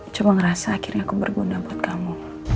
cuma ngerasa akhirnya aku berguna buat kamu